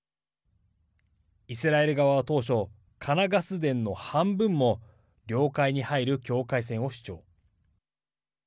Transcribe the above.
イスラエル側は当初カナ・ガス田の半分も領海に入る境界線を主張。